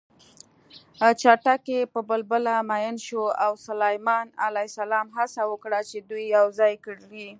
چتکي په بلبله مین شو او سلیمان ع هڅه وکړه چې دوی یوځای کړي